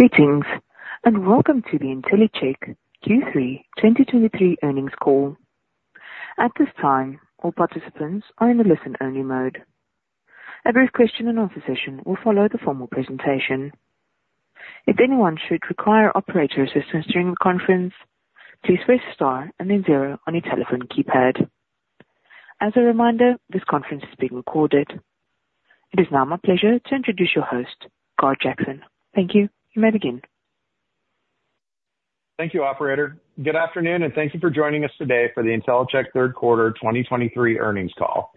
Greetings, and welcome to the Intellicheck Q3 2023 Earnings Call. At this time, all participants are in a listen-only mode. A brief question and answer session will follow the formal presentation. If anyone should require operator assistance during the conference, please press star and then zero on your telephone keypad. As a reminder, this conference is being recorded. It is now my pleasure to introduce your host, Gar Jackson. Thank you. You may begin. Thank you, operator. Good afternoon, and thank you for joining us today for the Intellicheck Third Quarter 2023 Earnings Call.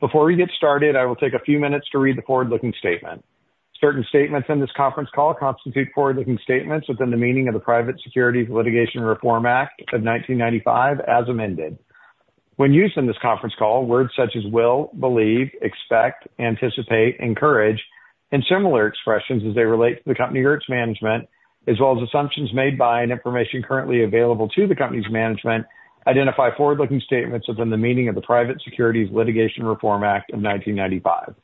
Before we get started, I will take a few minutes to read the forward-looking statement. Certain statements in this conference call constitute forward-looking statements within the meaning of the Private Securities Litigation Reform Act of 1995, as amended. When used in this conference call, words such as will, believe, expect, anticipate, encourage, and similar expressions as they relate to the company or its management, as well as assumptions made by and information currently available to the company's management, identify forward-looking statements within the meaning of the Private Securities Litigation Reform Act of 1995.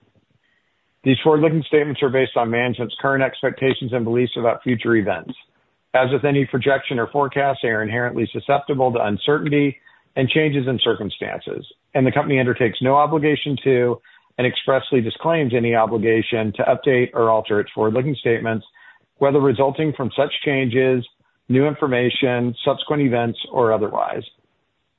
These forward-looking statements are based on management's current expectations and beliefs about future events. As with any projection or forecast, they are inherently susceptible to uncertainty and changes in circumstances, and the company undertakes no obligation to and expressly disclaims any obligation to update or alter its forward-looking statements, whether resulting from such changes, new information, subsequent events, or otherwise.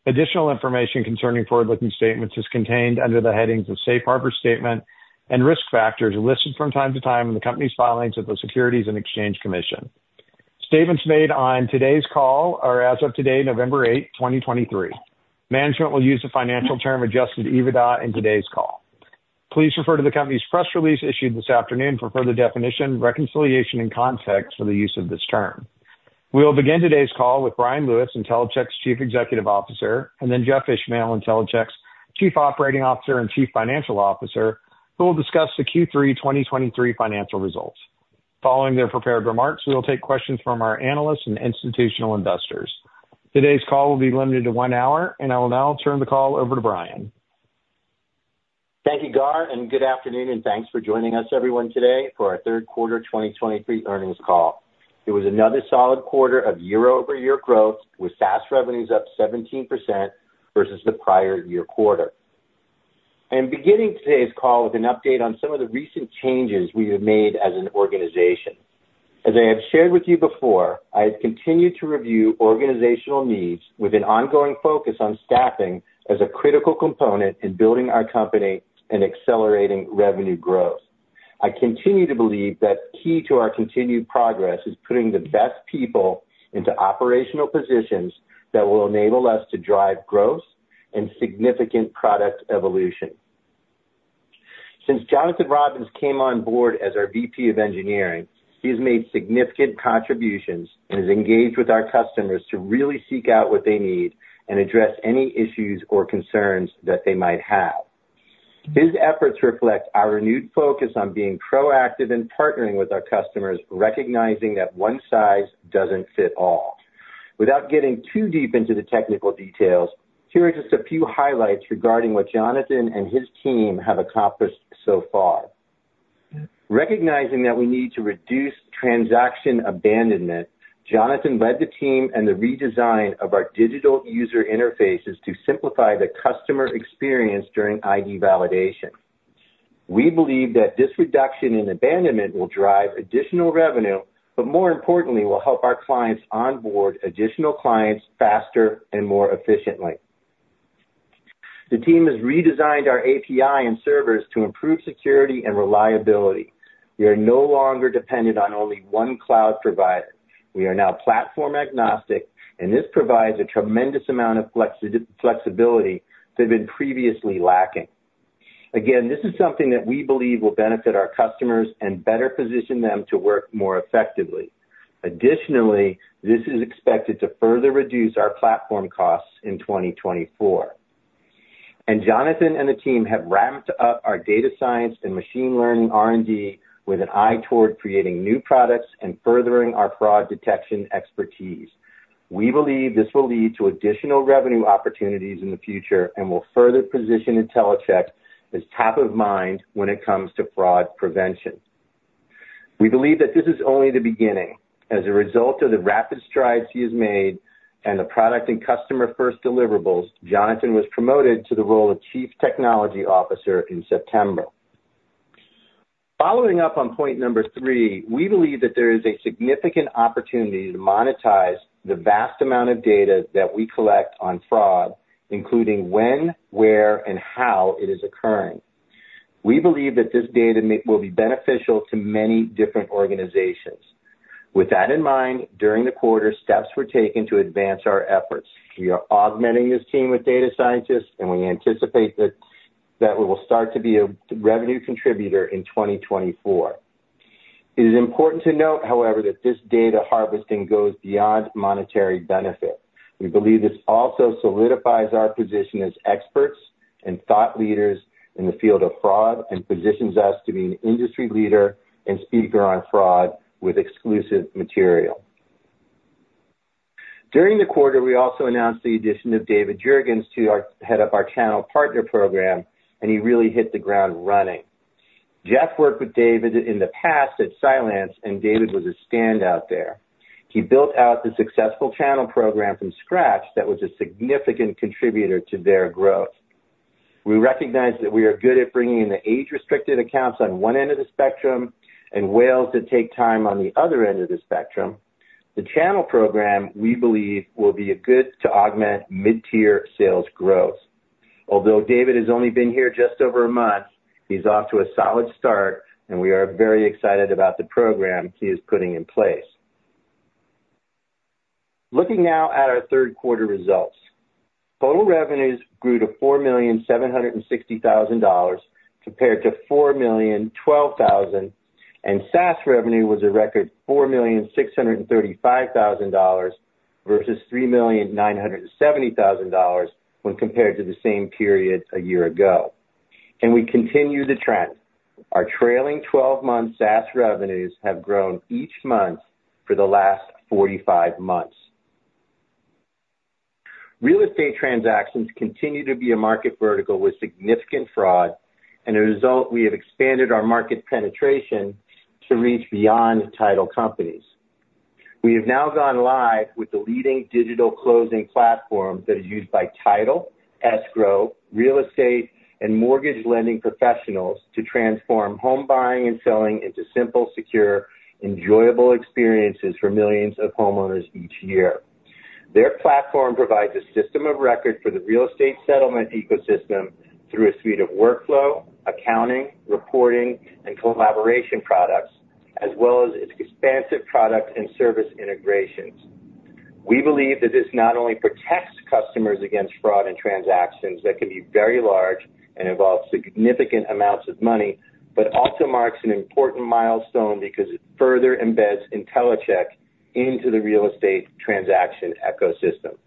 Additional information concerning forward-looking statements is contained under the headings of Safe Harbor Statement and Risk Factors, are listed from time to time in the company's filings with the Securities and Exchange Commission. Statements made on today's call are as of today, November 8, 2023. Management will use the financial term Adjusted EBITDA in today's call. Please refer to the company's press release issued this afternoon for further definition, reconciliation, and context for the use of this term. We will begin today's call with Bryan Lewis, Intellicheck's Chief Executive Officer, and then Jeffrey Ishmael, Intellicheck's Chief Operating Officer and Chief Financial Officer, who will discuss the Q3 2023 financial results. Following their prepared remarks, we will take questions from our analysts and institutional investors. Today's call will be limited to one hour, and I will now turn the call over to Bryan. Thank you, Gar, and good afternoon, and thanks for joining us, everyone, today for our third quarter 2023 earnings call. It was another solid quarter of year-over-year growth, with SaaS revenues up 17% versus the prior year quarter. I'm beginning today's call with an update on some of the recent changes we have made as an organization. As I have shared with you before, I have continued to review organizational needs with an ongoing focus on staffing as a critical component in building our company and accelerating revenue growth. I continue to believe that key to our continued progress is putting the best people into operational positions that will enable us to drive growth and significant product evolution. Since Jonathan Robins came on board as our VP of Engineering, he has made significant contributions and has engaged with our customers to really seek out what they need and address any issues or concerns that they might have. His efforts reflect our renewed focus on being proactive in partnering with our customers, recognizing that one size doesn't fit all. Without getting too deep into the technical details, here are just a few highlights regarding what Jonathan and his team have accomplished so far. Recognizing that we need to reduce transaction abandonment, Jonathan led the team and the redesign of our digital user interfaces to simplify the customer experience during ID validation. We believe that this reduction in abandonment will drive additional revenue, but more importantly, will help our clients onboard additional clients faster and more efficiently. The team has redesigned our API and servers to improve security and reliability. We are no longer dependent on only one cloud provider. We are now platform agnostic, and this provides a tremendous amount of flexi-flexibility that had been previously lacking. Again, this is something that we believe will benefit our customers and better position them to work more effectively. Additionally, this is expected to further reduce our platform costs in 2024. Jonathan and the team have ramped up our data science and machine learning R&D with an eye toward creating new products and furthering our fraud detection expertise. We believe this will lead to additional revenue opportunities in the future and will further position Intellicheck as top of mind when it comes to fraud prevention. We believe that this is only the beginning. As a result of the rapid strides he has made and the product and customer-first deliverables, Jonathan was promoted to the role of Chief Technology Officer in September. Following up on point number three, we believe that there is a significant opportunity to monetize the vast amount of data that we collect on fraud, including when, where, and how it is occurring. We believe that this data may... will be beneficial to many different organizations. With that in mind, during the quarter, steps were taken to advance our efforts. We are augmenting this team with data scientists, and we anticipate that we will start to be a revenue contributor in 2024. It is important to note, however, that this data harvesting goes beyond monetary benefit. We believe this also solidifies our position as experts and thought leaders in the field of fraud and positions us to be an industry leader and speaker on fraud with exclusive material. During the quarter, we also announced the addition of David Jurgens to head up our channel partner program, and he really hit the ground running. Jeff worked with David in the past at Cylance, and David was a standout there. He built out the successful channel program from scratch that was a significant contributor to their growth. We recognize that we are good at bringing in the age-restricted accounts on one end of the spectrum and whales that take time on the other end of the spectrum. The channel program, we believe, will be a good to augment mid-tier sales growth. Although David has only been here just over a month, he's off to a solid start, and we are very excited about the program he is putting in place. Looking now at our third quarter results. Total revenues grew to $4.76 million compared to $4.012 million, and SaaS revenue was a record $4.635 million versus $3.97 million when compared to the same period a year ago. We continue the trend. Our trailing 12-month SaaS revenues have grown each month for the last 45 months. Real estate transactions continue to be a market vertical with significant fraud, and as a result, we have expanded our market penetration to reach beyond title companies. We have now gone live with the leading digital closing platform that is used by title, escrow, real estate, and mortgage lending professionals to transform home buying and selling into simple, secure, enjoyable experiences for millions of homeowners each year. Their platform provides a system of record for the real estate settlement ecosystem through a suite of workflow, accounting, reporting, and collaboration products, as well as its expansive product and service integrations. We believe that this not only protects customers against fraud and transactions that can be very large and involve significant amounts of money, but also marks an important milestone because it further embeds Intellicheck into the real estate transaction ecosystem.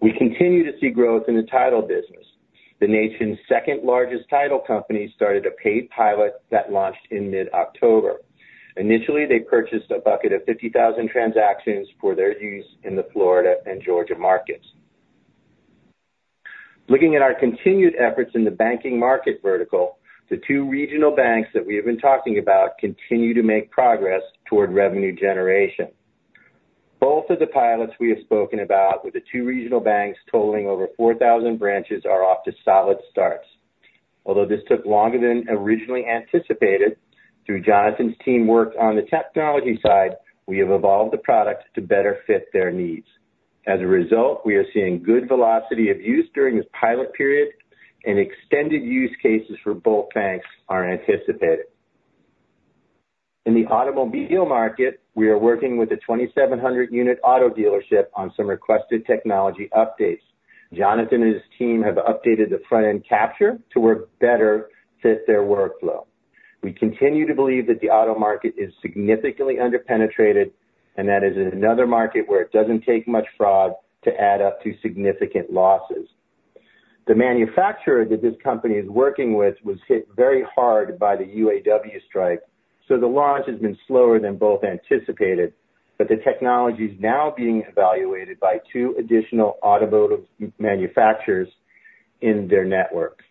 We continue to see growth in the title business. The nation's second-largest title company started a paid pilot that launched in mid-October. Initially, they purchased a bucket of 50,000 transactions for their use in the Florida and Georgia markets. Looking at our continued efforts in the banking market vertical, the two regional banks that we have been talking about continue to make progress toward revenue generation. Both of the pilots we have spoken about with the two regional banks totaling over 4,000 branches, are off to solid starts. Although this took longer than originally anticipated, through Jonathan's teamwork on the technology side, we have evolved the product to better fit their needs. As a result, we are seeing good velocity of use during this pilot period and extended use cases for both banks are anticipated. In the automobile market, we are working with a 2,700-unit auto dealership on some requested technology updates. Jonathan and his team have updated the front-end capture to work better, fit their workflow. We continue to believe that the auto market is significantly under-penetrated, and that is another market where it doesn't take much fraud to add up to significant losses. The manufacturer that this company is working with was hit very hard by the UAW strike, so the launch has been slower than both anticipated, but the technology is now being evaluated by two additional automotive manufacturers in their networks.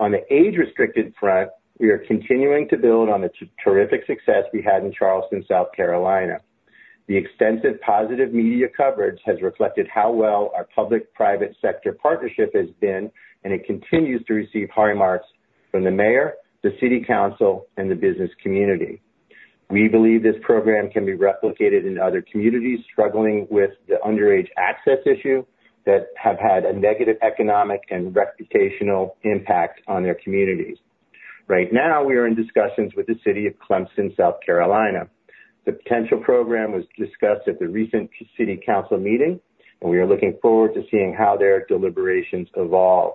On the age-restricted front, we are continuing to build on the terrific success we had in Charleston, South Carolina. The extensive positive media coverage has reflected how well our public-private sector partnership has been, and it continues to receive high marks from the mayor, the city council, and the business community. We believe this program can be replicated in other communities struggling with the underage access issue that have had a negative economic and reputational impact on their communities. Right now, we are in discussions with the city of Clemson, South Carolina. The potential program was discussed at the recent city council meeting, and we are looking forward to seeing how their deliberations evolve.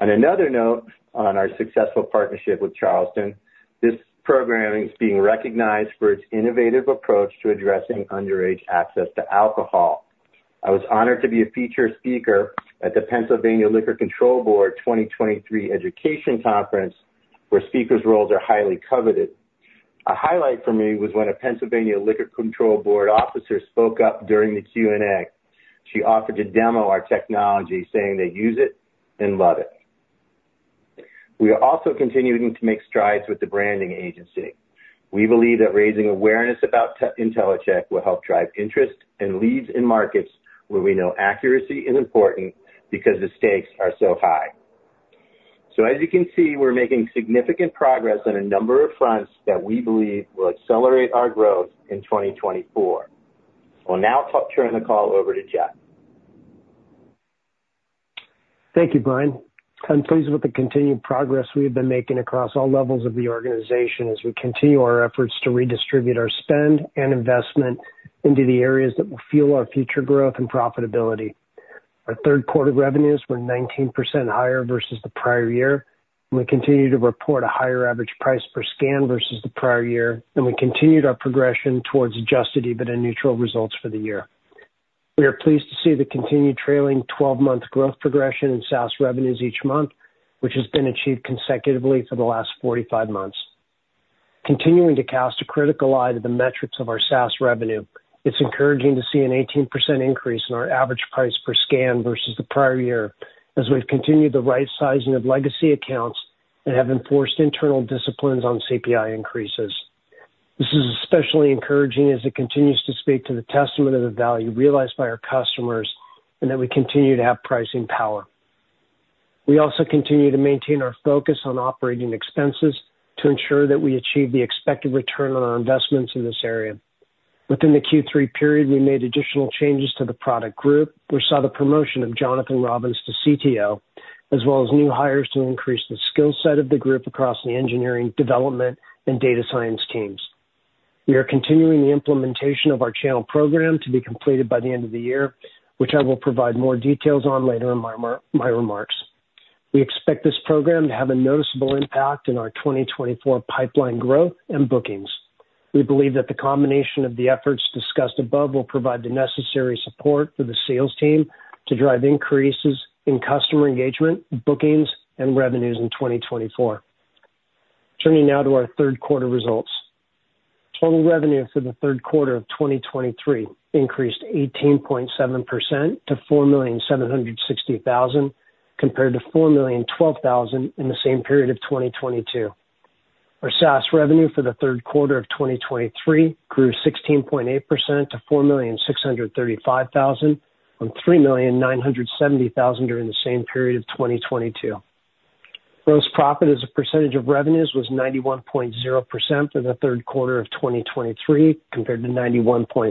On another note, on our successful partnership with Charleston, this program is being recognized for its innovative approach to addressing underage access to alcohol. I was honored to be a featured speaker at the Pennsylvania Liquor Control Board 2023 education conference, where speakers' roles are highly coveted. A highlight for me was when a Pennsylvania Liquor Control Board officer spoke up during the Q&A. She offered to demo our technology, saying they use it and love it. We are also continuing to make strides with the branding agency. We believe that raising awareness about Intellicheck will help drive interest and leads in markets where we know accuracy is important because the stakes are so high. So as you can see, we're making significant progress on a number of fronts that we believe will accelerate our growth in 2024. I'll now turn the call over to Jeff. Thank you, Bryan. I'm pleased with the continued progress we have been making across all levels of the organization as we continue our efforts to redistribute our spend and investment into the areas that will fuel our future growth and profitability. Our third quarter revenues were 19% higher versus the prior year, and we continue to report a higher average price per scan versus the prior year, and we continued our progression towards Adjusted EBITDA neutral results for the year.... We are pleased to see the continued trailing 12 month growth progression in SaaS revenues each month, which has been achieved consecutively for the last 45 months. Continuing to cast a critical eye to the metrics of our SaaS revenue, it's encouraging to see an 18% increase in our average price per scan versus the prior year, as we've continued the right sizing of legacy accounts and have enforced internal disciplines on CPI increases. This is especially encouraging as it continues to speak to the testament of the value realized by our customers and that we continue to have pricing power. We also continue to maintain our focus on operating expenses to ensure that we achieve the expected return on our investments in this area. Within the Q3 period, we made additional changes to the product group. We saw the promotion of Jonathan Robins to CTO, as well as new hires to increase the skill set of the group across the engineering, development, and data science teams. We are continuing the implementation of our channel program to be completed by the end of the year, which I will provide more details on later in my remarks. We expect this program to have a noticeable impact in our 2024 pipeline growth and bookings. We believe that the combination of the efforts discussed above will provide the necessary support for the sales team to drive increases in customer engagement, bookings, and revenues in 2024. Turning now to our third quarter results. Total revenue for the third quarter of 2023 increased 18.7% to $4,760,000, compared to $4,012,000 in the same period of 2022. Our SaaS revenue for the third quarter of 2023 grew 16.8% to $4,635,000, from $3,970,000 during the same period of 2022. Gross profit as a percentage of revenues was 91.0% for the third quarter of 2023, compared to 91.1% for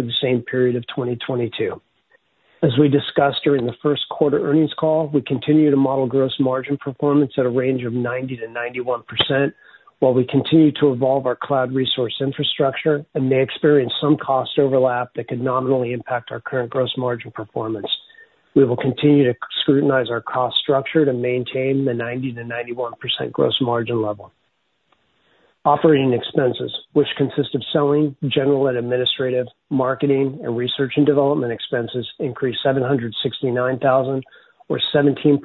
the same period of 2022. As we discussed during the first quarter earnings call, we continue to model gross margin performance at a range of 90%-91%, while we continue to evolve our cloud resource infrastructure and may experience some cost overlap that could nominally impact our current gross margin performance. We will continue to scrutinize our cost structure to maintain the 90%-91% gross margin level. Operating expenses, which consist of selling, general and administrative, marketing, and research and development expenses, increased $769,000, or 17.6%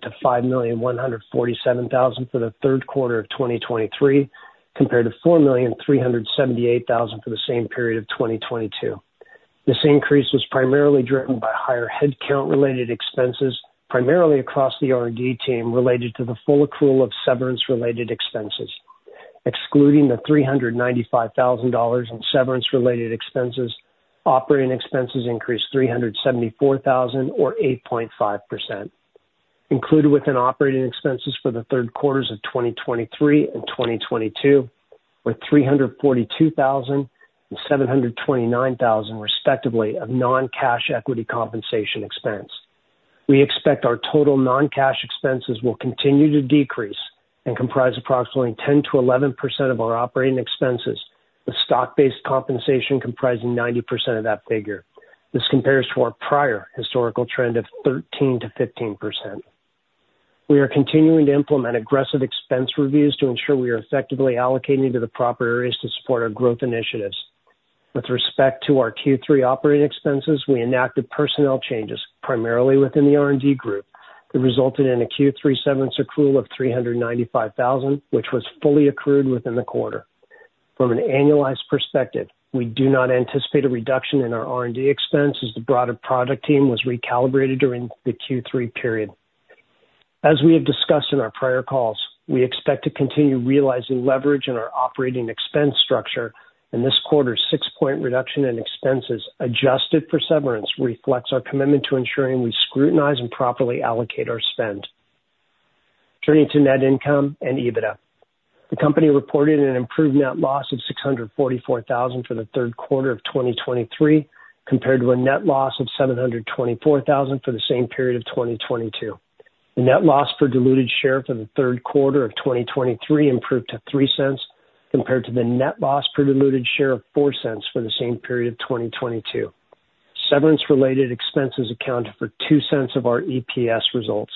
to $5,147,000 for the third quarter of 2023, compared to $4,378,000 for the same period of 2022. This increase was primarily driven by higher headcount-related expenses, primarily across the R&D team, related to the full accrual of severance-related expenses. Excluding the $395,000 in severance-related expenses, operating expenses increased $374,000 or 8.5%. Included within operating expenses for the third quarters of 2023 and 2022 were $342,000 and $729,000, respectively, of non-cash equity compensation expense. We expect our total non-cash expenses will continue to decrease and comprise approximately 10%-11% of our operating expenses, with stock-based compensation comprising 90% of that figure. This compares to our prior historical trend of 13%-15%. We are continuing to implement aggressive expense reviews to ensure we are effectively allocating to the proper areas to support our growth initiatives. With respect to our Q3 operating expenses, we enacted personnel changes, primarily within the R&D group, that resulted in a Q3 severance accrual of $395,000, which was fully accrued within the quarter. From an annualized perspective, we do not anticipate a reduction in our R&D expense as the broader product team was recalibrated during the Q3 period. As we have discussed in our prior calls, we expect to continue realizing leverage in our operating expense structure, and this quarter's six point reduction in expenses, adjusted for severance, reflects our commitment to ensuring we scrutinize and properly allocate our spend. Turning to net income and EBITDA. The company reported an improved net loss of $644,000 for the third quarter of 2023, compared to a net loss of $724,000 for the same period of 2022. The net loss per diluted share for the third quarter of 2023 improved to $0.03, compared to the net loss per diluted share of $0.04 for the same period of 2022. Severance-related expenses accounted for $0.02 of our EPS results.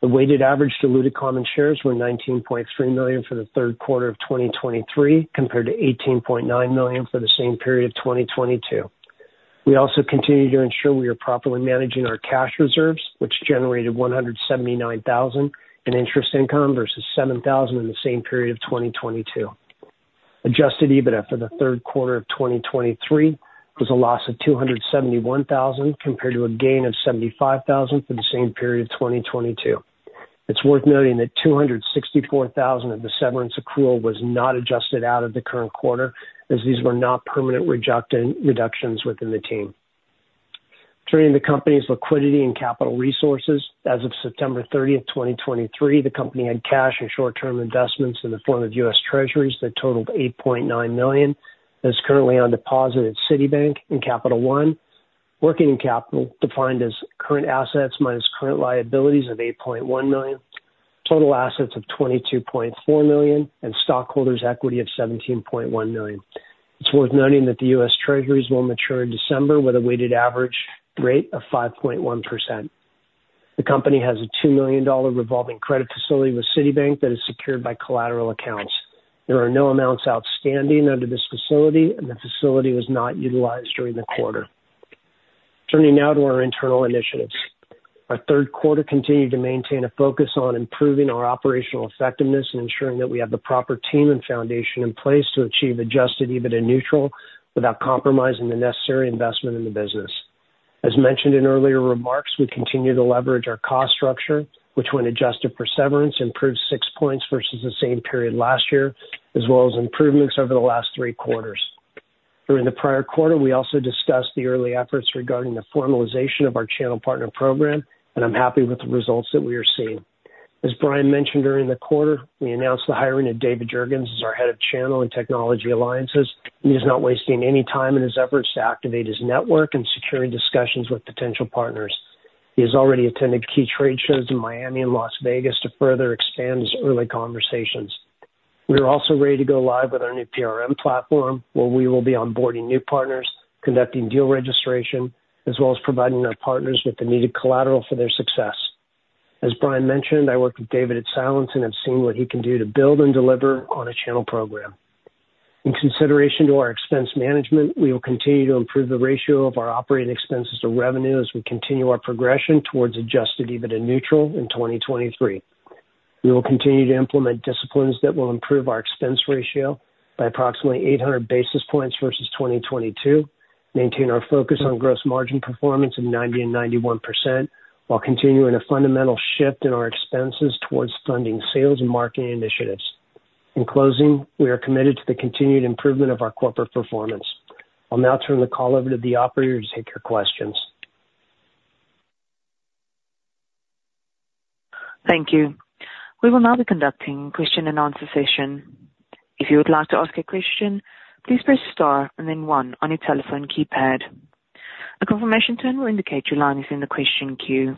The weighted average diluted common shares were 19.3 million for the third quarter of 2023, compared to 18.9 million for the same period of 2022. We also continue to ensure we are properly managing our cash reserves, which generated $179,000 in interest income versus $7,000 in the same period of 2022. Adjusted EBITDA for the third quarter of 2023 was a loss of $271,000, compared to a gain of $75,000 for the same period of 2022. It's worth noting that $264,000 of the severance accrual was not adjusted out of the current quarter, as these were not permanent reductions within the team. Turning to the company's liquidity and capital resources. As of September 30, 2023, the company had cash and short-term investments in the form of U.S. U.S. Treasuries that totaled $8.9 million, that is currently on deposit at Citibank and Capital One. Working capital, defined as current assets minus current liabilities, of $8.1 million, total assets of $22.4 million, and stockholders' equity of $17.1 million. It's worth noting that the U.S. Treasuries will mature in December with a weighted average rate of 5.1%....The company has a $2 million revolving credit facility with Citibank that is secured by collateral accounts. There are no amounts outstanding under this facility, and the facility was not utilized during the quarter. Turning now to our internal initiatives. Our third quarter continued to maintain a focus on improving our operational effectiveness and ensuring that we have the proper team and foundation in place to achieve adjusted EBITDA neutral, without compromising the necessary investment in the business. As mentioned in earlier remarks, we continue to leverage our cost structure, which, when adjusted for severance, improved six points versus the same period last year, as well as improvements over the last three quarters. During the prior quarter, we also discussed the early efforts regarding the formalization of our channel partner program, and I'm happy with the results that we are seeing. As Bryan mentioned, during the quarter, we announced the hiring of David Jurgens as our Head of Channel and Technology Alliances. He is not wasting any time in his efforts to activate his network and secure discussions with potential partners. He has already attended key trade shows in Miami and Las Vegas to further expand his early conversations. We are also ready to go live with our new PRM platform, where we will be onboarding new partners, conducting deal registration, as well as providing our partners with the needed collateral for their success. As Bryan mentioned, I worked with David at Cylance and have seen what he can do to build and deliver on a channel program. In consideration to our expense management, we will continue to improve the ratio of our operating expenses to revenue as we continue our progression towards Adjusted EBITDA neutral in 2023. We will continue to implement disciplines that will improve our expense ratio by approximately 800 basis points versus 2022, maintain our focus on gross margin performance of 90%-91%, while continuing a fundamental shift in our expenses towards funding sales and marketing initiatives. In closing, we are committed to the continued improvement of our corporate performance. I'll now turn the call over to the operator to take your questions. Thank you. We will now be conducting question and answer session. If you would like to ask a question, please press star and then one on your telephone keypad. A confirmation tone will indicate your line is in the question queue.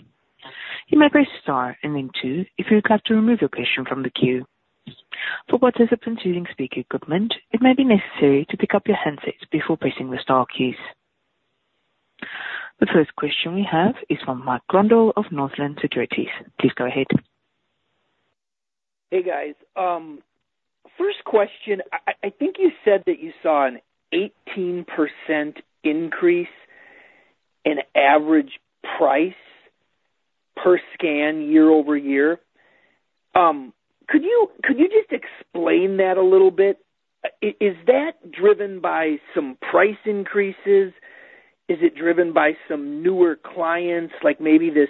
You may press star and then two, if you would like to remove your question from the queue. For participants using speaker equipment, it may be necessary to pick up your handsets before pressing the star keys. The first question we have is from Mike Grondahl of Northland Securities. Please go ahead. Hey, guys. First question. I think you said that you saw an 18% increase in average price per scan, year over year. Could you just explain that a little bit? Is that driven by some price increases? Is it driven by some newer clients, like maybe this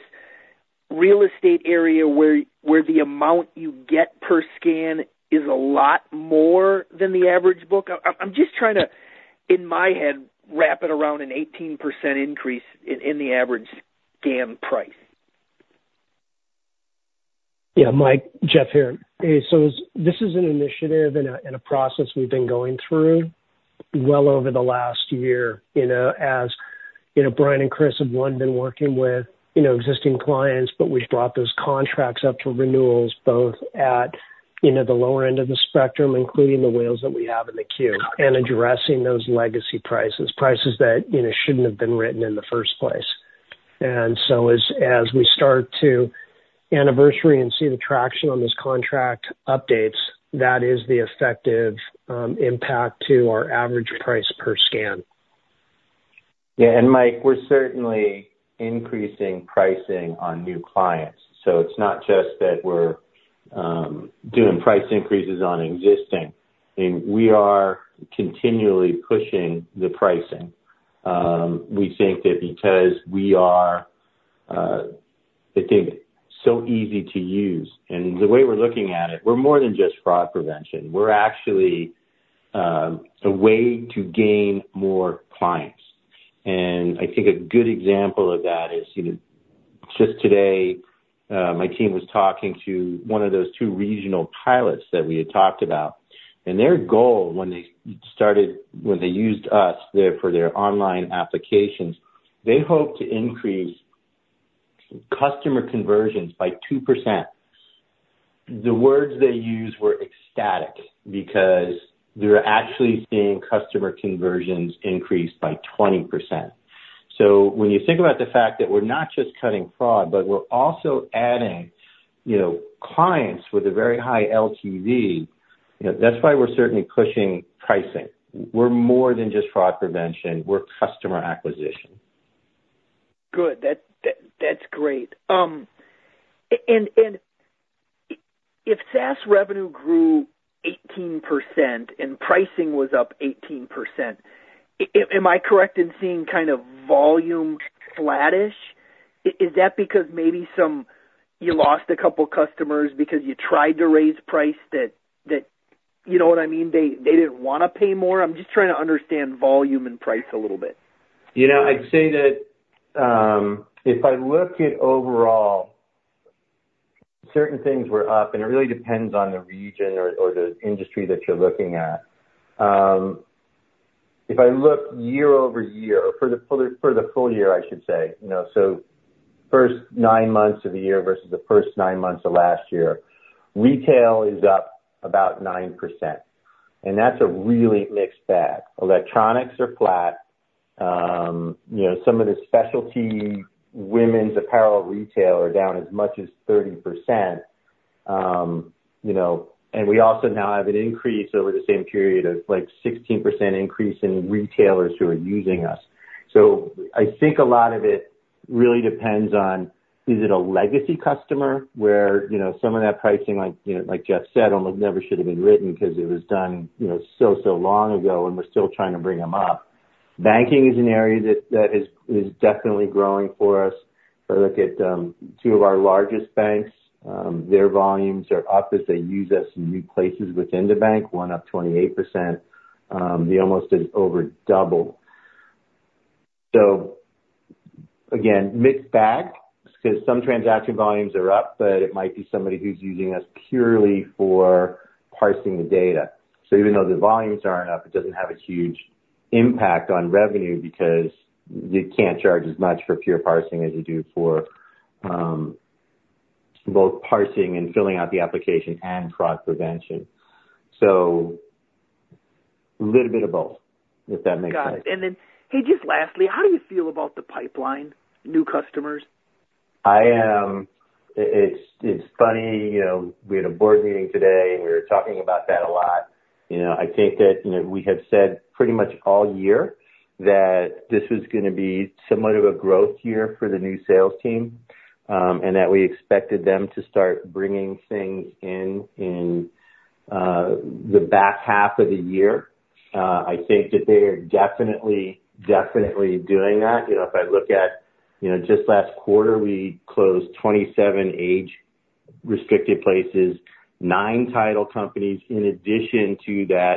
real estate area where the amount you get per scan is a lot more than the average book? I'm just trying to, in my head, wrap it around an 18% increase in the average scan price. Yeah, Mike, Jeff here. So this is an initiative and a process we've been going through well over the last year. You know, as you know, Bryan and Chris have been working with, you know, existing clients, but we've brought those contracts up to renewals, both at, you know, the lower end of the spectrum, including the whales that we have in the queue, and addressing those legacy prices. Prices that, you know, shouldn't have been written in the first place. And so as we start to anniversary and see the traction on this contract updates, that is the effective impact to our average price per scan. Yeah, and Mike, we're certainly increasing pricing on new clients, so it's not just that we're doing price increases on existing. I mean, we are continually pushing the pricing. We think that because we are, I think, so easy to use, and the way we're looking at it, we're more than just fraud prevention. We're actually a way to gain more clients. And I think a good example of that is, you know, just today, my team was talking to one of those two regional pilots that we had talked about. And their goal when they started, when they used us there for their online applications, they hoped to increase customer conversions by 2%. The words they used were ecstatic, because we were actually seeing customer conversions increase by 20%. So when you think about the fact that we're not just cutting fraud, but we're also adding, you know, clients with a very high LTV, you know, that's why we're certainly pushing pricing. We're more than just fraud prevention, we're customer acquisition. Good. That, that's great. And if SaaS revenue grew 18% and pricing was up 18%, am I correct in seeing kind of volume flattish? Is that because maybe some... You lost a couple customers because you tried to raise price that... You know what I mean? They didn't want to pay more. I'm just trying to understand volume and price a little bit. You know, I'd say that if I look at overall, certain things were up, and it really depends on the region or the industry that you're looking at. If I look year-over-year for the full year, I should say, you know, so first nine months of the year versus the first nine months of last year, retail is up about 9%, and that's a really mixed bag. Electronics are flat.... You know, some of the specialty women's apparel retail are down as much as 30%. You know, and we also now have an increase over the same period of, like, 16% increase in retailers who are using us. So I think a lot of it really depends on, is it a legacy customer where, you know, some of that pricing like, you know, like Jeff said, almost never should have been written because it was done, you know, so long ago, and we're still trying to bring them up. Banking is an area that is definitely growing for us. If I look at two of our largest banks, their volumes are up as they use us in new places within the bank, one up 28%, the almost is over double. So again, mixed bag, because some transaction volumes are up, but it might be somebody who's using us purely for parsing the data. So even though the volumes aren't up, it doesn't have a huge impact on revenue because you can't charge as much for pure parsing as you do for both parsing and filling out the application and fraud prevention. So little bit of both, if that makes sense. Got it. And then, hey, just lastly, how do you feel about the pipeline, new customers? It's funny, you know, we had a board meeting today, and we were talking about that a lot. You know, I think that, you know, we have said pretty much all year that this was gonna be somewhat of a growth year for the new sales team, and that we expected them to start bringing things in, in the back half of the year. I think that they are definitely, definitely doing that. You know, if I look at, you know, just last quarter, we closed 27 age-restricted places, nine title companies, in addition to that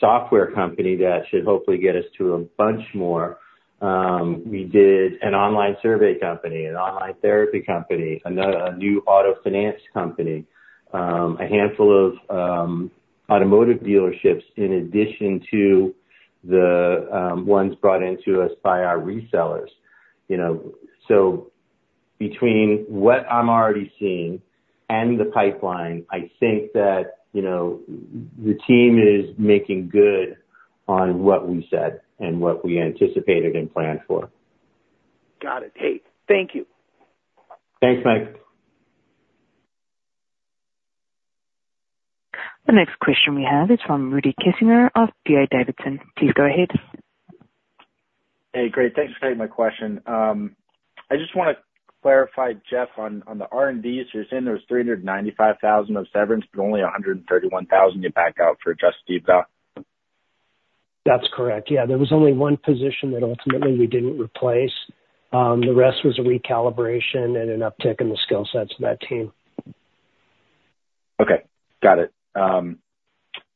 software company, that should hopefully get us to a bunch more. We did an online survey company, an online therapy company, another, a new auto finance company, a handful of, automotive dealerships in addition to the, ones brought into us by our resellers. You know, so between what I'm already seeing and the pipeline, I think that, you know, the team is making good on what we said and what we anticipated and planned for. Got it. Hey, thank you. Thanks, Mike. The next question we have is from Rudy Kessinger of D.A. Davidson. Please go ahead. Hey, great. Thanks for taking my question. I just want to clarify, Jeff, on, on the R&D. So you're saying there was $395,000 of severance, but only $131,000 you back out for Adjusted EBITDA? That's correct. Yeah. There was only one position that ultimately we didn't replace. The rest was a recalibration and an uptick in the skill sets of that team. Okay, got it.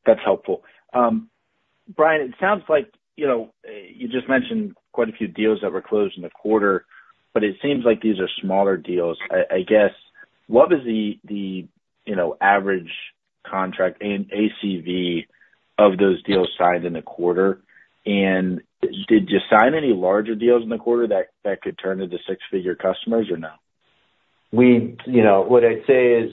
That's helpful. Bryan, it sounds like, you know, you just mentioned quite a few deals that were closed in the quarter, but it seems like these are smaller deals. I guess, what is the, you know, average contract and ACV of those deals signed in the quarter? And did you sign any larger deals in the quarter that could turn into six-figure customers or no? You know, what I'd say is,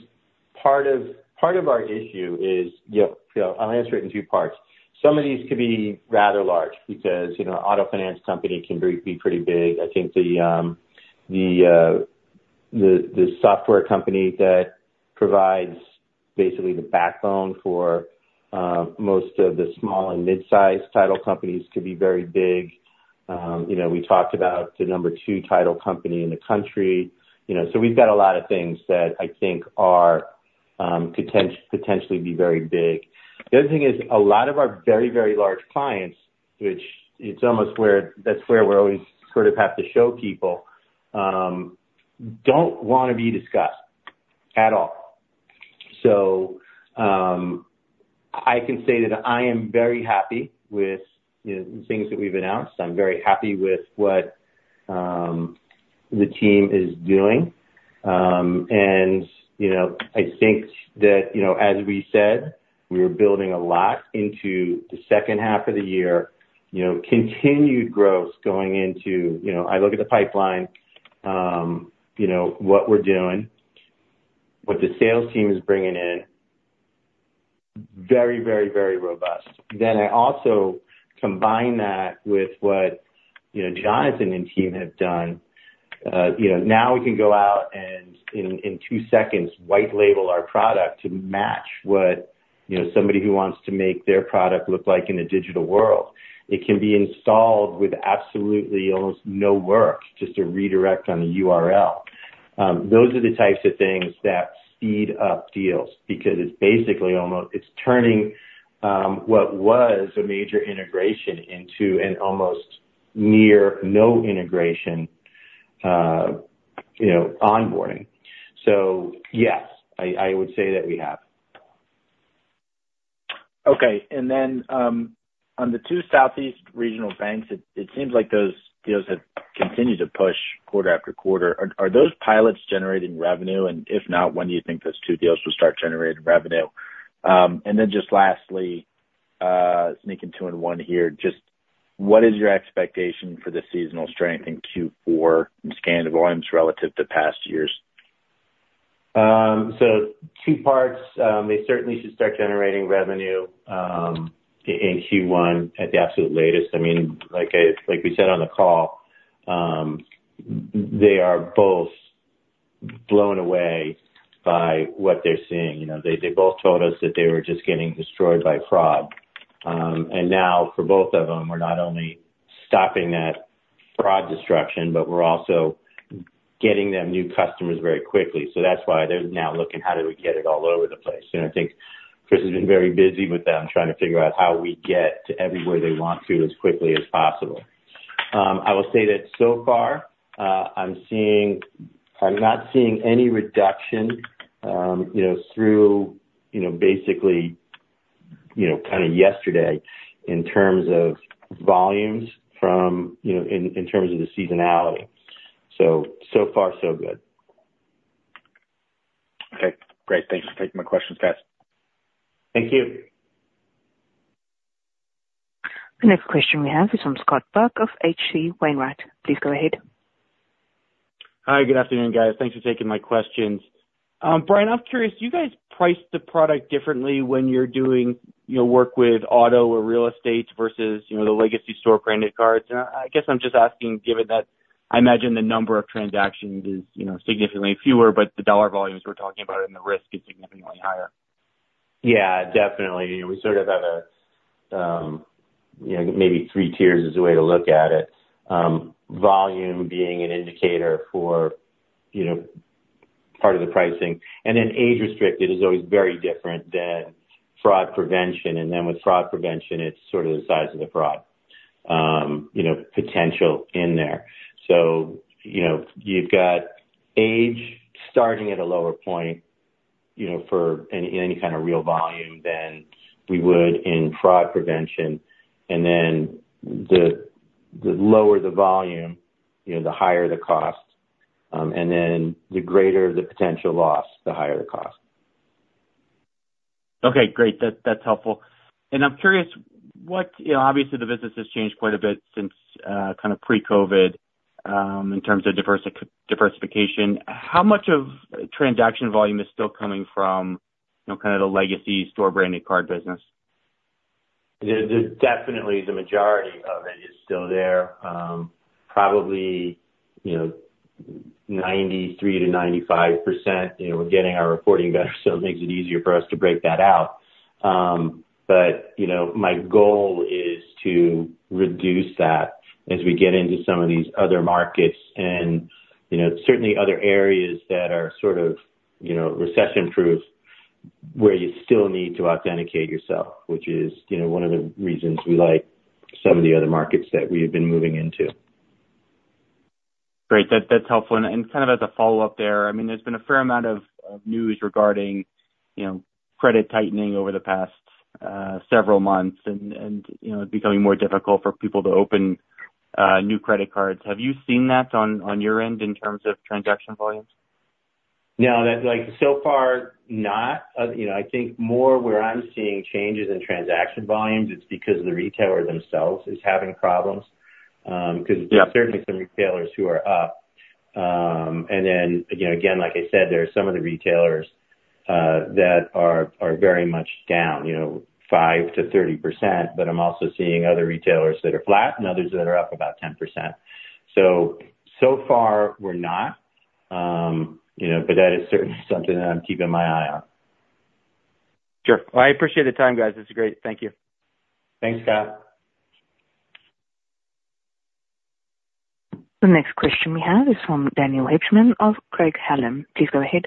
part of our issue is, you know, I'll answer it in two parts. Some of these could be rather large because, you know, auto finance company can be pretty big. I think the software company that provides basically the backbone for most of the small and mid-sized title companies could be very big. You know, we talked about the number two title company in the country. You know, so we've got a lot of things that I think are potentially very big. The other thing is, a lot of our very, very large clients, which is almost where, that's where we're always sort of have to show people, don't want to be discussed at all. So, I can say that I am very happy with, you know, the things that we've announced. I'm very happy with what the team is doing. And, you know, I think that, you know, as we said, we are building a lot into the second half of the year, you know, continued growth going into, you know, I look at the pipeline, you know, what we're doing, what the sales team is bringing in, very, very, very robust. Then I also combine that with what, you know, Jonathan and team have done. You know, now we can go out and in, in two seconds, white label our product to match what, you know, somebody who wants to make their product look like in a digital world. It can be installed with absolutely almost no work, just a redirect on the URL. Those are the types of things that speed up deals, because it's basically almost. It's turning what was a major integration into an almost near no integration, you know, onboarding. So yes, I, I would say that we have. Okay. And then, on the two southeast regional banks, it, it seems like those deals have continued to push quarter after quarter. Are, are those pilots generating revenue? And if not, when do you think those two deals will start generating revenue? And then just lastly, sneaking two in one here, just what is your expectation for the seasonal strength in Q4 in scan volumes relative to past years?... So two parts. They certainly should start generating revenue in Q1 at the absolute latest. I mean, like I, like we said on the call, they are both blown away by what they're seeing. You know, they both told us that they were just getting destroyed by fraud. And now for both of them, we're not only stopping that fraud destruction, but we're also getting them new customers very quickly. So that's why they're now looking, how do we get it all over the place? And I think Chris has been very busy with them, trying to figure out how we get to everywhere they want to as quickly as possible. I will say that so far, I'm seeing—I'm not seeing any reduction, you know, through, you know, basically, you know, kind of yesterday in terms of volumes from, you know, in terms of the seasonality. So, so far, so good. Okay, great. Thank you for taking my questions, guys. Thank you. The next question we have is from Scott Buck of H.C. Wainwright. Please go ahead. Hi, good afternoon, guys. Thanks for taking my questions. Bryan, I'm curious, do you guys price the product differently when you're doing, you know, work with auto or real estate versus, you know, the legacy store branded cards? I guess I'm just asking, given that I imagine the number of transactions is, you know, significantly fewer, but the dollar volumes we're talking about and the risk is significantly higher. Yeah, definitely. We sort of have a, you know, maybe three tiers is the way to look at it. Volume being an indicator for, you know, part of the pricing, and then age restricted is always very different than fraud prevention. And then with fraud prevention, it's sort of the size of the fraud, you know, potential in there. So, you know, you've got age starting at a lower point, you know, for any, any kind of real volume than we would in fraud prevention. And then the, the lower the volume, you know, the higher the cost, and then the greater the potential loss, the higher the cost. Okay, great. That, that's helpful. And I'm curious, what... You know, obviously, the business has changed quite a bit since kind of pre-COVID in terms of diversification. How much of transaction volume is still coming from, you know, kind of the legacy store branded card business? Definitely the majority of it is still there. Probably, you know, 93%-95%. You know, we're getting our reporting better, so it makes it easier for us to break that out. But, you know, my goal is to reduce that as we get into some of these other markets and, you know, certainly other areas that are sort of, you know, recession-proof, where you still need to authenticate yourself, which is, you know, one of the reasons we like some of the other markets that we've been moving into. Great. That, that's helpful. And, and kind of as a follow-up there, I mean, there's been a fair amount of, of news regarding, you know, credit tightening over the past several months and, and, you know, it's becoming more difficult for people to open new credit cards. Have you seen that on, on your end in terms of transaction volumes? No, that like, so far not. You know, I think more where I'm seeing changes in transaction volumes, it's because the retailer themselves is having problems. Yeah. Because there's certainly some retailers who are up. And then, you know, again, like I said, there are some of the retailers that are very much down, you know, 5%-30%, but I'm also seeing other retailers that are flat and others that are up about 10%. So far we're not, you know, but that is certainly something that I'm keeping my eye on. Sure. I appreciate the time, guys. It's great. Thank you. Thanks, Scott. The next question we have is from Daniel Hibshman of Craig-Hallum. Please go ahead.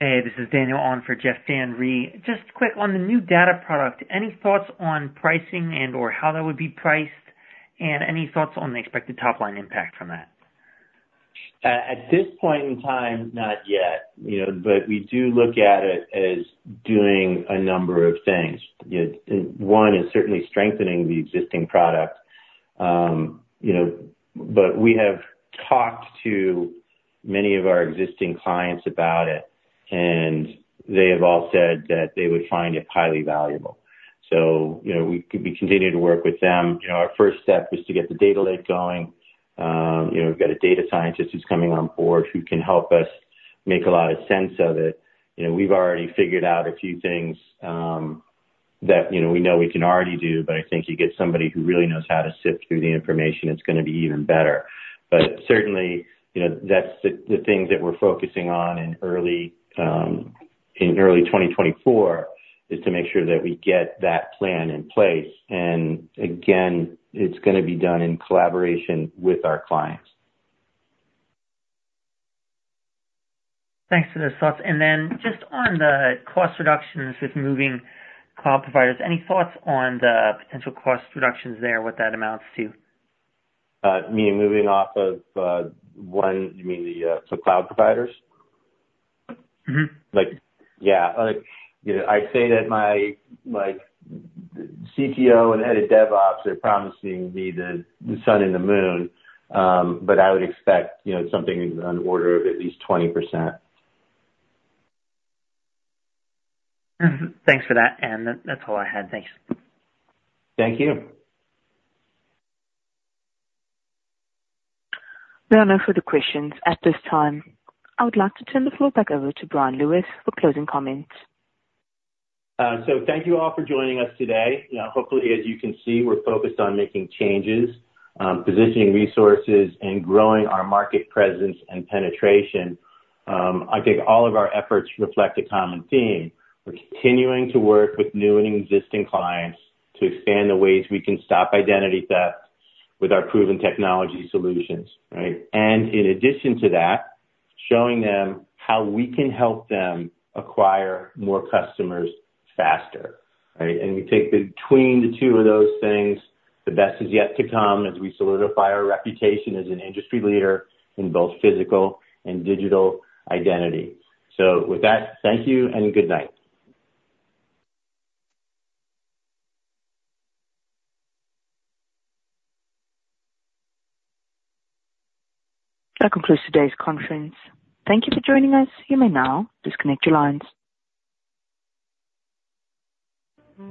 Hey, this is Daniel on for Jeff Van Rhee. Just quick on the new data product, any thoughts on pricing and/or how that would be priced? And any thoughts on the expected top-line impact from that? At this point in time, not yet, you know, but we do look at it as doing a number of things. You know, one is certainly strengthening the existing product. You know, but we have talked to many of our existing clients about it, and they have all said that they would find it highly valuable. So, you know, we continue to work with them. You know, our first step was to get the data lake going. You know, we've got a data scientist who's coming on board who can help us make a lot of sense of it. You know, we've already figured out a few things, that, you know, we know we can already do, but I think you get somebody who really knows how to sift through the information, it's gonna be even better. Certainly, you know, that's the things that we're focusing on in early 2024, is to make sure that we get that plan in place. And again, it's gonna be done in collaboration with our clients. Thanks for those thoughts. And then just on the cost reductions with moving cloud providers, any thoughts on the potential cost reductions there, what that amounts to? Me moving off of one... You mean the cloud providers? Mm-hmm. Like, yeah, like, you know, I'd say that my, like, CTO and head of DevOps are promising me the sun and the moon, but I would expect, you know, something on the order of at least 20%. Thanks for that, and that, that's all I had. Thanks. Thank you. There are no further questions at this time. I would like to turn the floor back over to Bryan Lewis for closing comments. So thank you all for joining us today. Hopefully, as you can see, we're focused on making changes, positioning resources, and growing our market presence and penetration. I think all of our efforts reflect a common theme. We're continuing to work with new and existing clients to expand the ways we can stop identity theft with our proven technology solutions, right? And in addition to that, showing them how we can help them acquire more customers faster, right? And we take between the two of those things, the best is yet to come, as we solidify our reputation as an industry leader in both physical and digital identity. So with that, thank you and good night. That concludes today's conference. Thank you for joining us. You may now disconnect your lines.